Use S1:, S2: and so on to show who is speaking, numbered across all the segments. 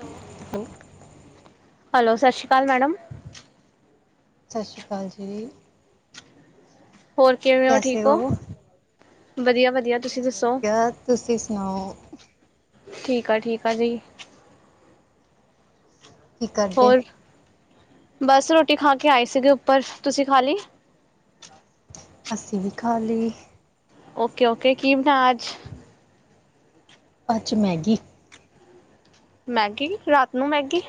S1: Hello hello ਸਤਿ ਸ਼੍ਰੀ ਅਕਾਲ ਮੈਡਮ।
S2: ਸਤਿ ਸ਼੍ਰੀ ਅਕਾਲ ਜੀ।
S1: ਹੋਰ ਕਿਵੇਂ ਹੋ ਠੀਕ ਹੋ? ਵਧੀਆ ਵਧੀਆ ਤੁਸੀਂ ਦੱਸੋ
S2: ਵਧੀਆ ਤੁਸੀਂ ਸੁਣਾਓ।
S1: ਠੀਕ ਆ ਠੀਕ ਆ ਜੀ।
S2: ਕੀ ਕਰਦੇ?
S1: ਹੋਰ ਬਸ ਰੋਟੀ ਖਾ ਕੇ ਆਈ ਸੀਗੀ ਉੱਪਰ ਤੁਸੀਂ ਖਾ ਲਈ?
S2: ਅਸੀਂ ਵੀ ਖਾ ਲਈ।
S1: ਓਕੇ-ਓਕੇ ਕੀ ਬਣਾਇਆ ਅੱਜ?
S2: ਅੱਜ ਮੈਗੀ।
S1: ਮੈਗੀ, ਰਾਤ ਨੂੰ ਮੈਗੀ!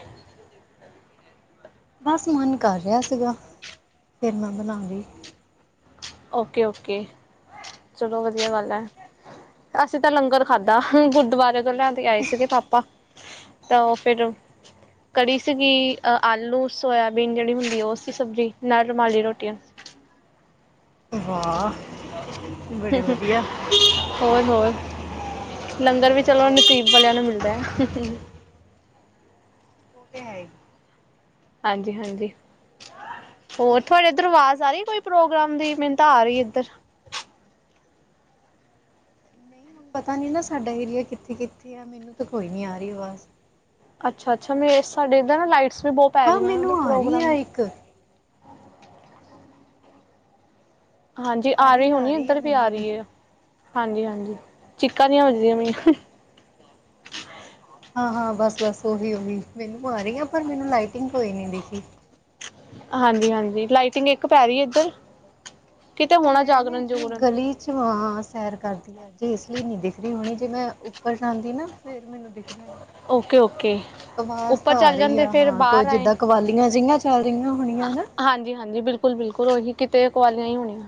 S2: ਬਸ ਮਨ ਕਰ ਰਿਹਾ ਸੀਗਾ, ਫਿਰ ਮੈਂ ਬਣਾ ਲਈ।
S1: ਓਕੇ-ਓਕੇ, ਚਲੋ ਵਧੀਆ ਗੱਲ ਏ ਅਸੀਂ ਤਾਂ ਲੰਗਰ ਖਾਧਾ ਗੁਰਦਵ [unintelligible] ਲਿਆਂਦੇ ਆਏ ਸੀਗੇ ਪਾਪਾ। ਤਾਂ ਉਹ ਫਿਰ ਉਹ ਕੜੀ ਸੀਗੀ, ਅਹ ਆਲੂ ਸੋਇਆਬੀਨ ਜਿਹੜੀ ਹੁੰਦੀ ਉਹ ਸੀ ਸਬਜ਼ੀ ਨਾਲ ਰੁਮਾਲੀ ਰੋਟੀਆਂ।
S2: ਵਾਹ! ਬੜੇ ਵਧੀਆ
S1: ਹੋਰ ਹੋਰ ਲੰਗਰ ਵੀ ਚਲੋ ਨਸੀਬ ਵਾਲਿਆਂ ਨੂੰ ਮਿਲਦਾ।
S2: ਉਹ ਤੇ ਹੈ ਈ।
S1: ਹਾਂਜੀ-ਹਾਂਜੀ, ਹੋਰ ਤੁਹਾਡੇ ਇਧਰ ਆਵਾਜ਼ ਆ ਰਹੀ ਕੋਈ ਪ੍ਰੋਗਰਾਮ ਦੀ ਮੈਨੂੰ ਤਾਂ ਆ ਰਹੀ ਇਧਰ।
S2: ਪਤਾ ਨੀ ਨਾ ਸਾਡਾ ਏਰੀਆ ਕਿੱਥੇ-ਕਿੱਥੇ ਆ ਮੈਨੂੰ ਤਾਂ ਕੋਈ ਨੀ ਆ ਰਹੀ ਆਵਾਜ਼।
S1: ਅੱਛਾ-ਅੱਛਾ ਮੇਰੇ ਸਾਡੇ ਇੱਧਰ ਨਾ ਲਾਈਟਸ ਬਹੁਤ ਪੈ
S2: ਹਾਂ
S1: ਰਹੀਆਂ ਉਹ
S2: ਮੈਨੂੰ ਆ ਰਹੀ ਆ
S1: ਪ੍ਰੋਗਰਾਮ
S2: ਇੱਕ
S1: ਹਾਂਜੀ ਆ ਰਹੀ ਹੋਣੀ ਇੱਧਰ ਵੀ ਆ ਰਹੀ ਹੈ। ਹਾਂਜੀ-ਹਾਂਜੀ, ਚੀਕਾਂ ਜੀਆਂ ਵੱਜਦੀਆਂ ਪਈਆਂ।
S2: ਹਾਂ-ਹਾਂ ਬਸ-ਬਸ ਉਹੀ-ਉਹੀ ਮੈਨੂੰ ਆ ਰਹੀ ਆ ਪਰ ਮੈਨੂੰ ਲਾਈਟਿੰਗ ਕੋਈ ਨਹੀਂ ਦਿਖੀ।
S1: ਹਾਂਜੀ-ਹਾਂਜੀ ਲਾਈਟਿੰਗ ਇੱਕ ਪੈ ਰਹੀ ਹੈ ਇੱਧਰ। ਕਿਤੇ
S2: ਉਹ
S1: ਹੋਣਾ
S2: ਮੈਂ ਨਾ
S1: ਜਾਗਰਣ
S2: ਐਕਚੁਲੀ
S1: ਜੁਗਰਣ
S2: ਗਲੀ 'ਚ ਵਾ ਸੈਰ ਕਰਦੀ ਆ ਜੇ ਇਸ ਲਈ ਨਹੀਂ ਦਿਖ ਦੀ ਹੋਣੀ ਜੇ ਮੈਂ ਉੱਪਰ ਜਾਂਦੀ ਨਾ ਫੇਰ ਮੈਨੂੰ ਦਿਖ
S1: ਓਕੇ-ਓਕੇ ਉੱਪਰ
S2: ਤਾਂ ਆ
S1: ਚੱਲ
S2: ਰਹੀ
S1: ਜਾਂਦੇ
S2: ਆ
S1: ਫਿਰ
S2: ਹਾਂ ਕੋਈ
S1: ਬਾਹਰ ਆਏ,
S2: ਜਿੱਦਾਂ ਕਵਾਲੀਆਂ ਜਿਹੀਆਂ ਚੱਲ ਰਹੀਆਂ ਹੋਣੀਆਂ ਨਾ
S1: ਹਾਂਜੀ-ਹਾਂਜੀ ਬਿਲਕੁਲ-ਬਿਲਕੁਲ ਉਹੀ ਕਿਤੇ ਕੁਆਲੀਆਂ ਹੀ ਹੋਣੀਆਂ।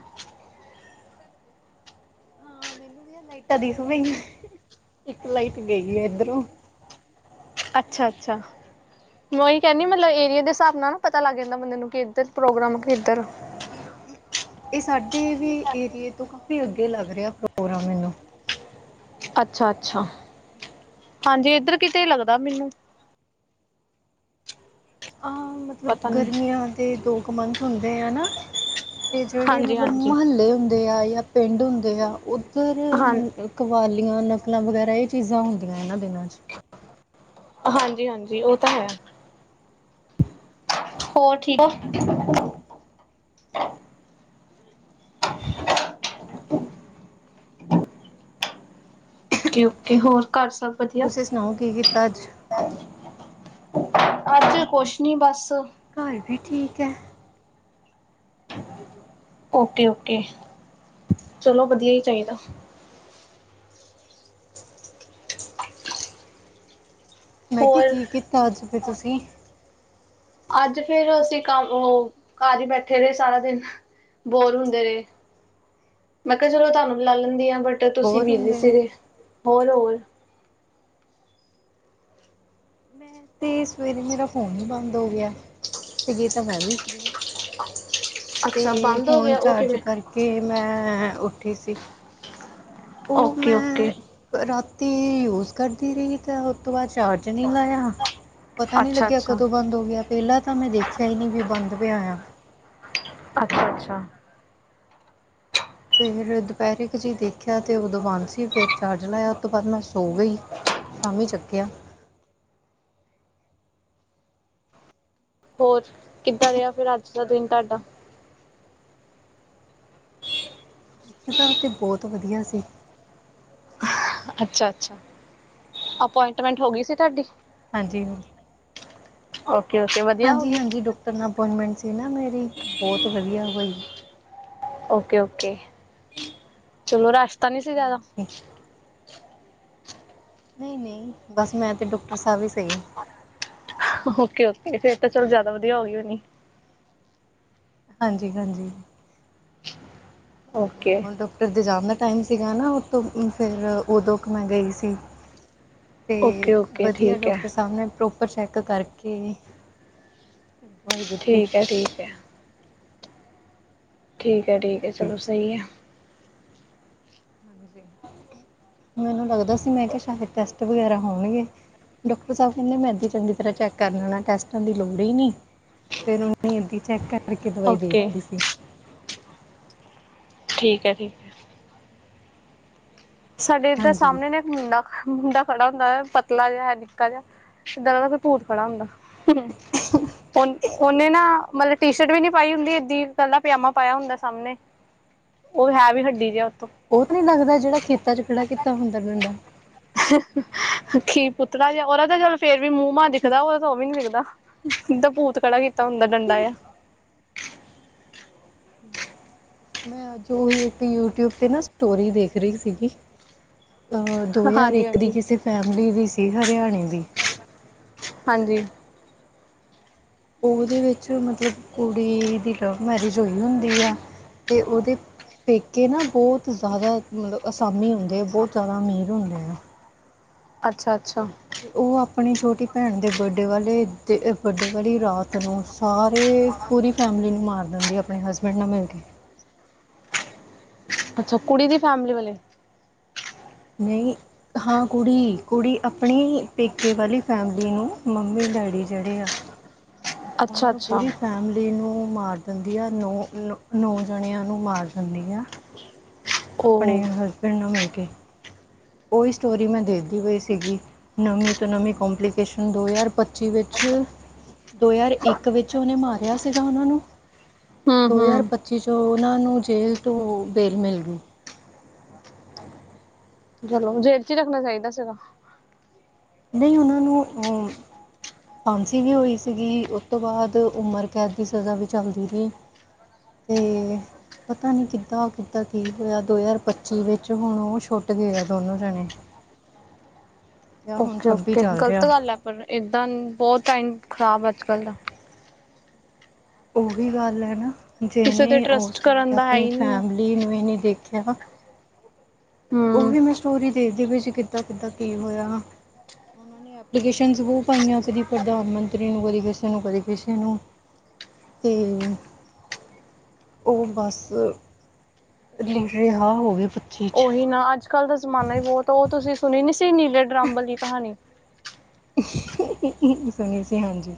S2: ਹਾਂ ਮੈਨੂੰ ਵੀ ਆ ਲਾਈਟਾਂ ਦਿਸ ਪਈਆਂ ਇੱਕ ਲਾਈਟ ਗਈ ਆ ਇਧਰੋਂ।
S1: ਅੱਛਾ-ਅੱਛਾ। ਮੈਂ ਉਹੀ ਕਹਿੰਨੀ ਮਤਲਬ ਏਰੀਏ ਦੇ ਹਿਸਾਬ ਨਾ ਪਤਾ ਲੱਗ ਜਾਂਦਾ ਬੰਦੇ ਨੂੰ ਕਿੱਧਰ ਪ੍ਰੋਗਰਾਮ ਕਿੱਧਰ।
S2: ਇਹ ਸਾਡੇ ਵੀ ਏਰੀਏ ਤੋਂ ਵੀ ਅੱਗੇ ਲੱਗ ਰਿਹਾ ਪ੍ਰੋਗਰਾਮ ਮੈਨੂੰ।
S1: ਅੱਛਾ ਅੱਛਾ ਹਾਜੀ ।ਇੱਧਰ ਕਿਤੇ ਲੱਗਦਾ ਮੈਨੂੰ।
S2: ਹਾਂ ਮਤਲਬ
S1: ਪਤਾ ਨੀ
S2: ਗਰਮੀਆਂ ਦੇ ਦੋ ਕੁ ਮੰਥ ਹੁੰਦੇ ਹੈ ਨਾ ਤੇ ਜਿਹੜੇ
S1: ਹਾਂਜੀ
S2: ਮਤਲਬ
S1: ਹਾਂਜੀ
S2: ਮੁਹੱਲੇ ਹੁੰਦੇ ਆ ਜਾਂ ਪਿੰਡ ਹੁੰਦੇ
S1: ਹਾਂ
S2: ਉਹ ਕਵਾਲੀ ਨਕਲਾਂ ਵਗੈਰਾ ਇਹ ਚੀਜ਼ਾਂ ਹੁੰਦੀਆਂ ਇਹਨਾਂ ਦਿਨਾਂ 'ਚ
S1: ਹਾਂਜੀ ਹਾਂਜੀ। ਉਹ ਤਾਂ ਹੈ। ਹੋਰ ਠੀਕ ਆ।
S2: ਬਸ ਵਧੀਆ।
S1: ਓ ਓਕੇ ਹੋਰ ਘਰ ਸਭ ਵਧੀਆ।
S2: ਤੁਸੀਂ ਸੁਣਾਓ ਕੀ ਕੀਤਾ ਅੱਜ
S1: ਅੱਜ ਕੁਛ ਨੀ ਬਸ
S2: ਘਰ ਵੀ ਠੀਕ ਹੈ।
S1: ਓਕੇ ਓਕੇ ਚਲੋ ਵਧੀਆ ਹੀ ਚਾਹੀਦਾ।
S2: ਮੈਂ ਕਿਹਾ
S1: ਹੋਰ
S2: ਕੀ ਕੀਤਾ ਅੱਜ। ਫਿਰ ਤੁਸੀਂ
S1: ਅੱਜ ਫੇਰ ਅਸੀਂ ਕੰਮ ਉਹ ਘਰ ਹੀ ਬੈਠੇ ਰਹੇ ਸਾਰਾ ਦਿਨ ਬੋਰ ਹੁੰਦੇ ਰਹੇ ਮੈਂ ਕਿਹਾ ਚਲੋ ਤੁਹਾਨੂੰ ਵੀ ਲਾ ਲੈਂਦੀ ਆ। ਬਟਰ ਤੁਸੀਂ
S2: ਬੋਰ
S1: ਮਿਲਦੇ
S2: ਹੁੰਦੇ ਨੇ
S1: ਸੀਗੇ ਹੋਰ, ਹੋਰ
S2: ਮੈਂ ਤੇ ਸਵੇਰੇ ਮੇਰਾ ਫੋਨ ਹੀ ਬੰਦ ਹੋ ਗਿਆ ਸੀਗੇ ਤਾਂ ਮੈਂ ਵੀ ਫ੍ਰਰੀ ਤੇ
S1: ਅੱਛਾ ਬੰਦ ਹੋ
S2: ਹੁਣ
S1: ਗਿਆ ਉਹ
S2: ਚਾਰਜ
S1: ਕਿਵੇਂ
S2: ਕਰਕੇ ਮੈਂ ਉੱਠੀ ਸੀ।
S1: ਓਕੇ ਓਕੇ
S2: ਅਤੇ ਯੂਜ ਕਰਦੀ ਰਹੀ ਤਾਂ ਉਹ ਤੋਂ ਬਾਅਦ ਚਾਰ ਨਹੀਂ ਲਾਇਆ ਪਤਾ ਨੀ
S1: ਅੱਛਾ
S2: ਲੱਗਿਆ
S1: ਅੱਛਾ
S2: ਕਦੋਂ ਬੰਦ ਹੋ ਗਿਆ ਪਹਿਲਾਂ ਤਾਂ ਮੈਂ ਦੇਖਿਆ ਹੀ ਨਹੀਂ ਵੀ ਬੰਦ ਪਿਆ ਆਆ
S1: ਅੱਛਾ ਅੱਛਾ।
S2: ਫਿਰ ਦੁਪਹਿਰੇ ਕੁ ਜੀ ਦੇਖਿਆ ਤੇ ਉਦੋਂ ਬਾਂਸੀ ਫਿਰ ਚਾਰਜ ਲਾਇਆ ਉਹ ਤੋਂ ਬਾਅਦ ਮੈਂ ਸੌ ਗਈ ਸ਼ਾਮੀ ਚੱਕਿਆ
S1: ਹੋਰ ਕਿੱਦਾਂ ਰਿਹਾ ਫਿਰ ਅੱਜ ਦਾ ਦਿਨ ਤੁਹਾਡਾ।
S2: ਅੱਜ ਤਾਂ ਤਾਂ ਬਹੁਤ ਵਧੀਆ ਸੀ।
S1: ਅੱਛਾ ਅੱਛਾ ਅਪਆਇੰਟਮੈਂਟ ਹੋ ਗਈ ਸੀ ਤੁਹਾਡੀ।
S2: ਹਾਂਜੀ।
S1: ਅ
S2: ਹਾਂਜੀ, ਹਾਂਜੀ। ਡਾਕਟਰ ਨਾਲ ਅਪੋਇੰਟਮੈਂਟ ਸੀ ਨਾ ਮੇਰੀ ਬਹੁਤ ਵਧੀਆ ਹੋਈ।
S1: ਓਕੇ ਓਕੇ ਤੁੂੰ ਰਾ ਤਾ ਨੀ ਸੀ ਜ਼ਿਆਦਾ।
S2: ਹਾਂਜੀ ਨਹੀਂ ਨਹੀਂ ਬਸ ਮੈਂ ਤੇ ਡਾਕਟਰ ਸਾਹਿਬ ਵੀ ਸਹੀ।
S1: ਓਕੇ ਓਕੇ ਫਿਰ ਤਾਂ ਚਲ ਜਿਆਦਾ ਵਧੀਆ ਹੋ ਗਈ ਹੋਣੀ।
S2: ਹਾਂਜੀ। ਹਾਂਜੀ।
S1: ਓਕੇ
S2: ਹੁਣ ਡਾਕਟਰ ਦੇ ਜਾਨ ਟਾਈਮ ਸੀਗਾ ।ਨਾਉਤੋਂ ਫਿਰ ਉਦੋਂ ਮੈਂ ਗਈ ਸੀ। ਤੇ
S1: ਓਕੇ ਓਕੇ
S2: ਵਧੀਆ
S1: ਠੀਕ ਹੈ
S2: ਡਾਕਟਰ ਸਾਹਿਬ ਨੇ ਪ੍ਰੋਪ ਪਰ ਚੈੱਕ ਕਰਕੇ ਦਵਾਈ ਦਿੱਤੀ
S1: ਠੀਕ ਹੈ, ਠੀਕ ਹੈ। ਠੀਕ ਹੈ, ਠੀਕ ਹੈ।
S2: ਹਾਂਜੀ।
S1: ਚਲੋ, ਸਹੀ ਹੈ।
S2: ਮੈਨੂੰ ਲਗਦਾ ਸੀ ਮੈਂ ਕਿਹਾ ਸ਼ਦ ਟੈਸਟ ਵਗਰਾ ਹੋਣਗੇ। ਡਾਕਟਰ ਸਾਬ ਕਹਿੰਦੇ ਮੈਂ ਚੰਗੀ ਤਰ ਚੈੱਕ ਕਰ ਲੈਣਾ। ਟੈਸਟਾਂ ਦੀ ਲੋੜ ਹੀ ਨਹੀਂ। ਫਿਰ ਇਦਾਂ ਚੈੱਕ ਕਰਕੇ ਦਵਾਈ ਦੇ
S1: ਓਕੇ
S2: ਦਿੱਤੀ ਸੀ।
S1: ਠੀਕ ਹੈ, ਠੀਕ ਹੈ। ਸਾਡੇ ਤੇ
S2: ਹਾਂਜੀ।
S1: ਸਾਹਮਣੇ ਨੇ ਇੱਕ ਮੁੰਡਾ ਮੁੰਡਾ ਖੜਾ ਹੁੰਦਾ ਪਤਲਾ ਜਿਹਾ, ਹੈ ਨਿੱਕਾ ਜਿਹਾ, ਇੱਦਾਂ ਲੱਗਦਾ ਕੋਈ ਭੂਤ ਖੜਾ ਹੈ। ਹਮ, ਉਹਨੇ ਨਾ ਮਤਲਬ ਟੀ ਸ਼ਰਟ ਵੀ ਨਹੀਂ ਪਾਈ ਹੁੰਦੀ। ਗ੍ਰੀਨ ਵਾਲਾ ਪਜਾਮਾ ਪਾਇਆ ਹੁੰਦਾ। ਸਾਹਮਣੇ ਉਹ ਹੈ ਵੀ ਹੱਡੀ ਜਿਹਾ
S2: ਉਹ ਤਾਂ ਨੀ ਲੱਗਦਾ। ਜਿਹੜਾ ਖੇ [unintelligible] ਚ ਖੜਾ ਕੀਤਾ ਹੁੰਦਾ ਡੰਡਾ।
S1: ਅੱਖੀ ਪੁਤਲਾ ਜ ਉਹ ਤਾਂ ਚਲ ਫੇਰ ਵੀ ਮੂੰਹ ਮਾਂ ਦਿਖਦਾ ਉਹਦਾ ਵਾ, ਉਹ ਵੀ ਨੀ ਦਿਖਦਾ। ਜਿੱਦਾਂ ਭੂਤ ਖੜਾ ਕੀਤਾ ਹੁੰਦਾ। ਡੰਡਾ ਆ
S2: ਮੈਂ ਅੱਜ ਓਹੀ ਇੱਕ ਯੂਟਿਊਬ ਤੇ ਨਾ ਸਟੋਰੀ ਦੇਖ ਰਹੀ ਸੀਗੀ। ਅ ਦੋ ਹਜ਼ਾਰ
S1: ਹਾਂਜੀ
S2: ਇੱਕ ਦੀ
S1: ਹਾਂਜੀ
S2: ਕਿਸੇ ਫੈਮਿਲੀ ਦੀ ਸੀ। ਹਨ [unintelligible] ਦੀ।
S1: ਹਾਂਜੀ।
S2: ਉਹਦੇ ਵਿੱਚ ਮਤਲਬ ਕੁੜੀ ਦੀ ਲਵ ਮੈਰਿਜ ਹੋਈ ਹੁੰਦੀ ਆ। ਤੇ ਉਹਦੇ ਪੇਕੇ ਨਾ ਬਹੁਤ ਜ਼ਿਆਦਾ ਮਤਲਬ ਅਸਾਮੀ ਹੁੰਦੇ ਹੈ, ਬਹੁਤ ਜ਼ਿਆਦਾ ਅਮੀਰ ਹੁੰਦੇ ਆ।
S1: ਅੱਛਾ-ਅੱਛਾ।
S2: ਅਤੇ ਉਹ ਆਪਣੀ ਛੋਟੀ ਭੈਣ ਦੇ ਬਰਡੇ ਵਾਲੇ, ਬਰਡੇ ਵਾਲੀ ਰਾਤ ਨੂੰ ਸਾਰੇ ਪੂਰੀ ਫੈਮਲੀ ਨੂੰ ਮਾਰ ਦਿੰਦੀ ।ਆਪਣੇ ਹਸਬੈਂਡ ਨਾਲ ਮਿਲ ਕੇ
S1: ਅੱਛਾ। ਕੁੜੀ ਦੀ ਫੈਮਲੀ ਵਾਲੇ
S2: ਨਹੀਂ ਹਾਂ, ਕੁੜੀ-ਕੁੜੀ ਆਪਣੀ ਪੇਕੇ ਵਾਲੀ ਫੈਮਿਲੀ ਨੂੰ ਮੰਮੀ-ਡੈਡੀ ਜਿਹੜੇ ਆ।
S1: ਅੱਛਾ
S2: ਉਹਨਾਂ ਨੂੰ
S1: ਅੱਛਾ
S2: ਪੂਰੀ ਫੈਮਲੀ ਨੂੰ ਮਾਰ ਡੰਡੇ ਆ। ਨੌ-ਨੌ ਜਣਿਆਂ ਨੂੰ ਮਾਰ ਡੰਡੇ ਆ। ਆਪਣੇ
S1: ਉਹ
S2: ਹ ਨੂੰ ਮਿਲ ਕੇ ਉਹੀ ਸਟੋਰੀ ਮੈਂ ਦੇਖਦੀ ਹੋਈ ਸੀਗੀ। ਨਵੀਂ ਤੋਂ ਨਵੀਂ ਕਪਲੀਕੇਸ਼ਨ। ਦੋ ਹਜ਼ਾਰ ਪੱਚੀ ਵਿੱਚ ਦੋ ਹਜ਼ਾਰ ਇੱਕ ਵਿੱਚ ਉਹਨੇ ਮਾਰਿਆ ਸੀਗਾ ।ਉਹਨਾਂ ਨੂੰ,
S1: ਹਮ
S2: ਦੋ ਹਜ਼ਾਰ,
S1: ਹਮ
S2: ਪੱਚੀ ਚ ਉਹਨਾਂ ਨੂੰ ਜੇਲ੍ਹ ਤੋਂ ਬੇਲ ਮਿਲ ਗਈ।
S1: ਜੇਲ ਚ ਹੀ ਰੱਖਣਾ ਚਾਹੀਦਾ। ਉਦੋਂ
S2: ਨਹੀਂ। ਉਹਨਾਂ ਨੂੰ ਫਾਂਸੀ ਵੀ ਹੋਈ ਸੀਗੀ। ਉਸ ਤੋਂ ਬਾਅਦ ਉਮਰ ਕੈਦ ਦੀ ਸਜ਼ਾ ਵੀ ਚੱਲਦੀ ਰਹੀ। ਤੇ ਪਤਾ ਨਹੀਂ ਕਿੱਦਾਂ-ਕਿੱਦਾਂ ਕੀ ਹੋਇਆ ਦੋ ਹਜ਼ਾਰ ਪੱਚੀ ਵਿੱਚ ਹੁਣ ਉਹ ਛੁੱਟ ਗ ਗਿਆ ਦੋਨੋਂ ਜਣੇ। ਅਤੇ ਆਹ ਹੁਣ ਛੱਬੀ
S1: ਓਕੇ-ਓਕੇ,
S2: ਚੱਲ
S1: ਗ਼ਲਤ
S2: ਰਿਹਾ
S1: ਗੱਲ ਹੈ ਪਰ, ਏਦਾਂ ਬਹੁਤ ਟਾਈਮ ਖਰਾਬ ਅੱਜ ਕੱਲ੍ਹ ਦਾ
S2: ਉਹੀ ਗੱਲ ਹੈ ਨਾ
S1: ਕਿਸੇ ਤੇ
S2: ਜਿਹਨੇ ਉਸ
S1: ਟਰਸਟ
S2: ਟਾਈਮ ' ਤੇ
S1: ਕਰਨ ਦਾ ਹੈ
S2: ਆਪਣੀ
S1: ਹੀ ਨਹੀਂ ਆ
S2: ਫੈਮਿਲੀ ਨੂੰ ਇਹਨੇ ਦੇਖਿਆ ਨਾ
S1: ਹਮ
S2: ਉਹਹੀ ਮੈਂ ਸਟੋਰੀ ਦੇਖਦੀ ਪਈ ਸੀ, ਕਿੱਦਾਂ ਕਿੱਦਾਂ ਕੀ ਹੋਇਆ। ਉਹਨਾਂ ਨੇ ਐਪਲੀਕੇਸ਼ਨਸ ਬਹੁ ਪਾਈਆਂ, ਕਦੀ ਪ੍ਰਧਾਨ ਮੰਤਰੀ ਨੂੰ, ਕਦੀ ਕਿਸੇ ਨੂੰ, ਕਦੀ ਕਿਸੇ ਨੂੰ। ਤੇ ਉਹ ਬਸ ਲੀ ਰਿਹਾ ਹੋ ਗਏ ਸੱਚੀ 'ਚ।
S1: ਉਹੀ ਨਾ ਅੱਜ ਕੱਲ ਦਾ ਜ਼ਮਾਨਾ ਹੀ ਬਹੁਤ, ਉਹ ਤੁਸੀਂ ਸੁਣੀ ਨੀ ਸੀ ਨੀਲੇ ਡ੍ਰਾਮ ਵਾਲੀ ਕਹਾਣੀ।
S2: [unintelligible] ਸੁਣੀ ਸੀ ਹਾਂਜੀ।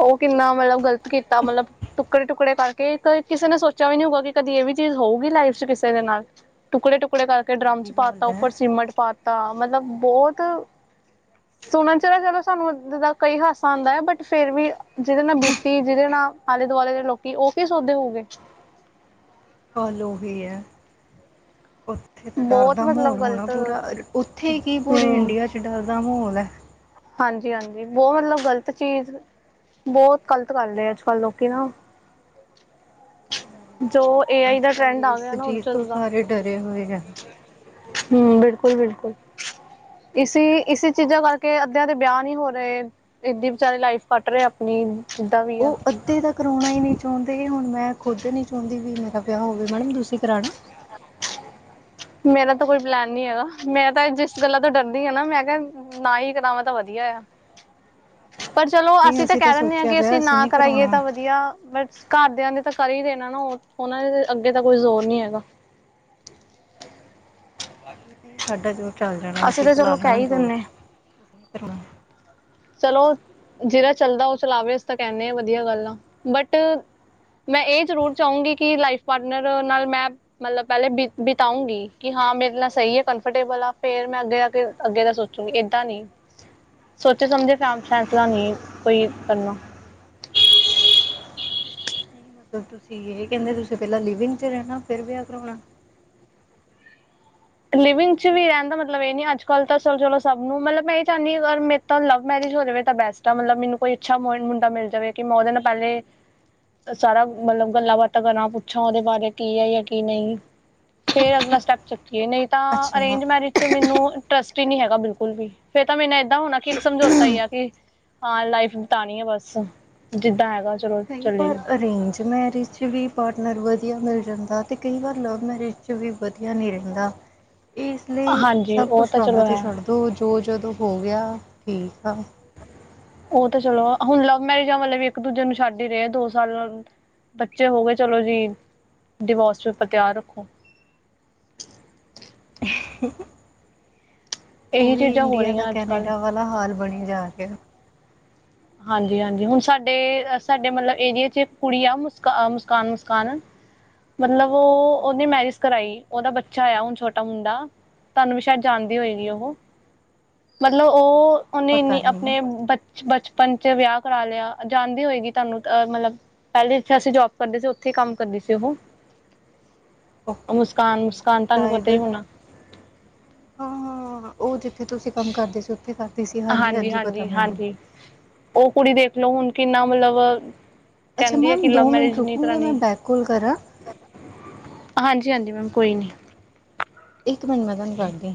S1: ਉਹ ਕਿੰਨਾ ਮਤਲਬ ਗ਼ਲਤ ਕੀਤਾ ਮਤਲਬ, ਟੁਕੜੇ ਟੁਕੜੇ ਕਰਕੇ ਇਕ, ਕਿਸੇ ਨੇ ਸੋਚਿਆ ਵੀ ਨੀ ਹੋਊਗਾ ਕਿ ਕਦੀ ਇਹ ਵੀ ਚੀਜ਼ ਹੋਊਗੀ ਲਾਈਫ 'ਚ ਕਿਸੇ ਦੇ ਨਾਲ। ਟੁਕੜੇ ਟੁੱਕ ਟੁਕੜੇ ਕਰਕੇ ਡ੍ਰਾਮ
S2: ਉਹੀ
S1: ਚ
S2: ਗੱਲ
S1: ਪਾਤਾ,
S2: ਹੈ
S1: ਉੱਪਰ ਸੀਮਟ ਪਾਤਾ। ਤਾਂ ਮਤਲਬ ਬਹੁਤ, ਸੁਣਨ ਚ ਜਦੋਂ ਸਾਨੂੰ ਗੱਲ ਕਈ ਹਾਸਾ ਆਉਂਦੈ ਬਟ ਫੇਰ ਵੀ ਜਿਹਦੇ ਨਾਲ ਬੀਤੀ, ਜਿਹਦੇ ਨਾਲ ਆਲੇ ਦੁਆਲੇ ਦੇ ਲੋਕੀ, ਉਹ ਕੀ ਸੋਦੇ ਹੋਉਗੇ?
S2: ਗਲ ਓਹੀ ਹੈ। ਉੱਥੇ ਤਾਂ ਡਰ
S1: ਬਹੁਤ
S2: ਦਾ ਮਾਹੌਲ
S1: ਮਤਲਬ
S2: ਹੋਣਾ
S1: ਗ਼ਲਤ
S2: ਪੂਰਾ, ਉੱਥੇ ਕੀ ਪੂਰੇ
S1: ਹਮ
S2: ਇੰਡੀਆ ਚ ਡਰ ਦਾ ਮਾਹੌਲ ਏ ।
S1: ਹਾਂਜੀ-ਹਾਂਜੀ, ਬਹੁਤ ਮਤਲਬ ਗ਼ਲਤ ਚੀਜ਼, ਬਹੁਤ ਗ਼ਲਤ ਕਰ ਰਹੇ ਅੱਜ ਕੱਲ ਲੋਕੀ ਨਾ। ਜੋ ਏ ਆਈ ਦਾ
S2: ਅੱਜ-ਕੱਲ
S1: ਟਰੈਂਡ ਆ
S2: ਇਸ
S1: ਗਿਆ ਨਾ ਉਹ
S2: ਚੀਜ਼ ਤੋਂ
S1: ਜਦੋਂ ਦਾ
S2: ਸਾਰੇ ਡਰੇ ਹੋਏ ਆ।
S1: ਹੰ ਬਿਲਕੁਲ-ਬਿਲਕੁਲ, ਇਸੀ ਇਸੀ ਚੀਜ਼ਾਂ ਕਰਕੇ ਅੱਧਿਆ ਦੇ ਵਿਆਹ ਨਹੀਂ ਹੋ ਰਹੇ, ਏਦਾਂ ਬਚਾਰੇ ਲਾਈਫ ਕੱਟ ਰਹੇ ਆਪਣੀ। ਜਿੱਦਾਂ ਵੀ ਆ
S2: ਉਹ ਅੱਧੇ ਤਾਂ ਕਰੋਣਾ ਹੀ ਨਹੀਂ ਚਾਹੁੰਦੇ। ਤੇ ਹੁਣ ਮੈਂ ਖੁਦ ਨੀ ਚਾਹੁੰਦੀ ਵੀ ਮੇਰਾ ਵਿਆਹ ਹੋਵੇ, ਮੈਡਮ ਤੁਸੀਂ ਕਰਾਉਣਾ?
S1: ਮੇਰਾ ਤਾਂ ਕੋਈ ਪਲੈਨ ਨੀ ਹੈਗਾ, ਮੈਂ ਤਾਂ ਜਿਸ ਗੱਲਾਂ ਤੋਂ ਡਰਦੀ ਹਾਂ ਨਾ, ਮੈਂ ਕਿਹਾ ਨਾ ਹੀ ਕਰਾਵਾਂ ਤਾਂ ਵਧੀਆ ਆ। ਪਰ ਚਲੋ
S2: ਨਹੀਂ
S1: ਅਸੀਂ ਤਾਂ ਕਹਿ ਦਿੰਦੇ ਹਾਂ
S2: ਸੋਚਿਆ
S1: ਕਿ
S2: ਵਿਆਹ
S1: ਅਸੀਂ ਨਾ
S2: ਨਹੀਂ
S1: ਕਰਾਈਏ
S2: ਕਰਾਉਣਾ
S1: ਤਾਂ ਵਧੀਆ, ਬਟ ਘਰ ਵੱਡਿਆਂ ਨੇ ਤਾਂ ਕਰ ਹੀ ਦੇਣਾ ਨਾ। ਉਹ ਉਹਨਾਂ ਦੇ ਅੱਗੇ ਤਾਂ ਕੋਈ ਜ਼ੋਰ ਨੀ ਹੈਗਾ।
S2: ਨਹੀਂ ਸਾਡਾ ਜੋਰ ਚੱਲ ਜਾਣਾ, ਅਸੀਂ
S1: ਤਾਂ
S2: ਚਲਾ
S1: ਚਲੋ
S2: ਲੈਣਾ
S1: ਕਹਿ ਹੀ
S2: ਜੋਰ
S1: ਦਿੰਦੇ
S2: । ਅਸੀ ਨਹੀਂ ਕਰਾਉਣਾ
S1: ਚਲੋ, ਜਿਹੜਾ ਚੱਲਦਾ ਉਹ ਚਲਾਵੇ, ਅਸੀਂ ਤਾਂ ਕਹਿੰਦੇ ਆ ਵਧੀਆ ਗੱਲ ਆ ਬਟ ਮੈਂ ਇਹ ਜ਼ਰੂਰ ਚਾਹੂੰਗੀ ਕਿ ਲਾਈਫ ਪਾਰਟਨਰ ਨਾਲ ਮੈਂ ਮਤਲਬ ਪਹਿਲੇ ਬਿ ਬਿਤਾਊਂਗੀ ਕਿ ਹਾਂ ਮੇਰੇ ਨਾਲ ਸਹੀ ਆ, ਕੰਫਰਟੇਬਲ ਆ, ਫੇਰ ਮੈਂ ਅੱਗੇ ਜਾਕੇ, ਅੱਗੇ ਦਾ ਸੋਚੂਗੀ । ਏਦਾਂ ਨਹੀਂ ਸੋਚੇ ਸਮਝੇ ਫੈਸਲਾ ਨਹੀਂ, ਕੋਈ ਕਰਨਾ [unintelligible]
S2: ਨਹੀਂ ਮਤਲਬ ਤੁਸੀਂ ਇਹ ਕਹਿੰਦੇ, ਤੁਸੀਂ ਪਹਿਲਾਂ ਲਿਵਿੰਗ ਚ ਰਹਿਣਾ, ਫਿਰ ਵਿਆਹ ਕਰਾਉਣਾ?
S1: ਲਿਵਿੰਗ ਚ ਵੀ ਰਹਿਣ ਦਾ ਮਤਲਬ ਇਹ ਨੀ, ਅੱਜ ਕੱਲ ਤਾਂ ਚਲੋ ਚਲੋ ਸਭ ਨੂੰ, ਮਤਲਬ ਮੈਂ ਇਹ ਚਾਹੁੰਦੀ ਹਾਂ, ਮੇਦੀ ਤਾਂ ਲਵ ਮੈਰਿਜ ਹੋ ਜਾਵੇ ਤਾਂ ਬੈਸਟ ਆ, ਮਤਲਬ ਮੈਨੂੰ ਕੋਈ ਅੱਛਾ ਬੋਏ -ਮੁੰਡਾ ਮਿਲ ਜਾਵੇ ਕਿ ਮੈਂ ਉਹਦੇ ਨਾਲ ਪਹਿਲੇ ਸਾਰਾ ਮਤਲਬ ਗੱਲਾਂ ਬਾਤਾਂ ਕਰਾਂ, ਪੁੱਛਾਂ ਉਹਦੇ ਬਾਰੇ ਕੀ ਹੈ ਜਾਂ ਕੀ ਨਹੀਂ ਫੇਰ ਅਗਲਾ ਸਟੈਪ ਚੱਕ ਕੀ ਨਹੀਂ ਤਾਂ
S2: ਅੱਛਾ
S1: ਅਰੇਂਜ ਮੈਰਿਜ ਚ ਮੈਨੂੰ ਟਰਸਟ ਹੀ ਨਹੀਂ ਹੈਗਾ। ਬਿਲਕੁਲ ਵੀ, ਫੇਰ ਤਾਂ ਬਈ ਇ ਇੱਦਾਂ ਹੋਣਾ ਕੀ ਇੱਕ ਸਮਝੌਤਾ ਹੀ ਆ ਕਿ ਹਾਂ ਲਾਈਫ ਬਿਤਾਉਣੀ ਆ ਬਸ, ਜਿੱਦਾਂ ਹੈਗਾ ਚਲੋ
S2: ਕਈ
S1: ਚੱਲੇ
S2: ਵਾਰ
S1: ਜਾਓ
S2: ਅਰੇਂਜ ਮੈਰਿਜ ਚ ਵੀ ਪਾਟਨਰ ਵ ਵਧੀਆ ਮਿਲ ਜਾਂਦਾ ਅਤੇ ਕਈ ਵਾਰ ਲਵ ਮੈਰਿਜ 'ਚ ਵੀ ਵਧੀਆ ਨਹੀਂ ਰਹਿੰਦਾ। ਇਸ ਲਈ
S1: ਹਾਂਜੀ
S2: ਸਭ
S1: ਉਹ
S2: ਕੁਛ
S1: ਤਾਂ
S2: ਰੱਬ
S1: ਚਲੋ
S2: ਤੇ
S1: ਹੈ
S2: ਛੱਡ ਦੋ, ਜੋ ਜੋ ਹੋ ਗਿਆ ਠੀਕ।
S1: ਉਹ ਤਾਂ ਚਲੋ, ਹੁਣ ਲਵ ਮੈਰਿਜਾਂ ਵਾਲੇ ਵੀ ਇੱਕ ਦੂਜੇ ਨੂੰ ਛੱਡ ਹੀ ਰਹੇ। ਦੋ ਸਾਲਾ ਨੂੰ ਬੱਚੇ ਹੋ ਗਏ ਚਲੋ ਜੀ ਡਾਈਵੋਰਸ ਪੇਪਰ ਤਿਆਰ ਰੱਖੋ।
S2: [unintelligible]
S1: ਇਹੀ
S2: ਉਹੀ
S1: ਚੀਜ਼ਾਂ ਹੋ
S2: ਇੰਡੀਆ ਦਾ
S1: ਰਹੀਆਂ ਅੱਜ ਕੱਲ੍ਹ
S2: ਕੈਨੇਡਾ ਵਾਲਾ ਹਾਲ ਬਣਿਆ। ਜਾ ਕੇ
S1: ਹਾਂਜੀ। ਹਾਂਜੀ। ਹੁਣ ਸਾਡੇ-ਸਾਡੇ ਮਤਲਬ ਇੰਡੀਆ ਚ ਕੁੜੀ ਆ ਮੁਸਕਾਨ ਮੁਸਕਾਨ। ਮਤਲਬ ਉਹ ਉਹਨੇ ਮੈਰਿਜ
S2: ਹੂੰ-ਹੂੰ।
S1: ਕਰਾਈ ਉਹਦਾ ਬੱਚਾ ਆ ਹੁਣ ਛੋਟਾ ਮੁੰਡਾ ਤੁਹਾਨੂੰ ਵੀ ਸ਼ਾਇਦ ਜਾਣਦੇ ਹੋ ਉਹ। ਮਤਲਬ ਉਹ ਉਹਨੇ
S2: ਪਤਾ
S1: ਇਨੀ
S2: ਨਹੀਂ
S1: ਆਪਣੇ ਬਚ-ਬਚ ਪੰਚ ਵਿਆਹ ਕਰਾ ਲਿਆ ਜਾਂਦੀ ਹੋਏਗੀ ਤੁਹਾਨੂੰ ਅ ਮਤਲਬ ਪਹਿਲੇ ਜਿੱਥੇ ਅਸੀਂ ਜੋਬ ਕਰਦੇ ਸੀ ਉੱਥੇ ਕੰਮ ਕਰਦੀ ਸੀ ਉਹ। ਮੁਸਕਾਨ
S2: ਓਕੇ-ਓਕੇ
S1: ਮੁਸਕਾਨ ਤੁਹਾਨੂੰ
S2: ਸ਼ਾਇਦ
S1: ਪਤਾ ਹੀ ਹੋਣਾ
S2: ਹਾਂ-ਹਾਂ। ਉਹ ਜਿੱਥੇ ਤੁਸੀਂ ਕੰਮ ਕਰਦੇ ਸੀ ਉੱਥੇ ਕਰਦੀ ਸੀ
S1: ਹਾਂਜੀ,
S2: ਹਾਂਜੀ-ਹਾਂਜੀ ਪਤਾ
S1: ਹਾਂਜੀ,
S2: ਮੈਨੂੰ।
S1: ਹਾਂਜੀ। ਉਹ ਕੁੜੀ ਦੇਖ ਲਓ ਹੁਣ ਕਿੰਨਾ ਮਤਲਬ।
S2: ਅੱਛਾ
S1: ਕਹਿੰਦੀ ਹੈ ਕਿ
S2: ਮੈਮ
S1: ਲਵ
S2: ਦੋ ਮਿੰਟ
S1: ਮੈਰਿਜ ਨਹੀਂ
S2: ਰੁਕੋਗੇ ਮੈਂ
S1: ਕਰਾਣੀ
S2: ਬੈਕ ਕਾਲ ਕਰਾਂ।
S1: ਹਾਂਜੀ, ਹਾਂਜੀ। ਮੈਮ ਕੋਈ ਨਹੀਂ।
S2: ਹੁਣੇ ਮੈਂ ਤੁਹਾਨੂੰ ਕਰਦੀ।